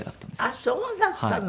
あっそうだったの！